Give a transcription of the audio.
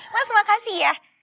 mas makasih ya